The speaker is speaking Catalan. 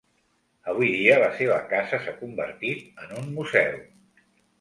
Avui dia, la seva casa s'ha convertit en un Museu.